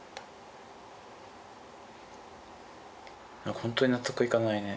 ほんとに納得いかないね。